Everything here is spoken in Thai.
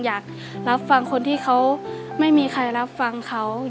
อยากให้คำรับพลังใจทุกคน